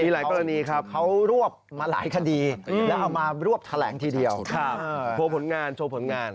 มีหลายกรณีครับเขารวบมาหลายคดีและรวบแถวที่เดียวโชว์ผลงาน